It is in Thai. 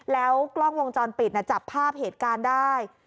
แล้วกล้องวงจรปิดจับภาพเหตุการณ์ได้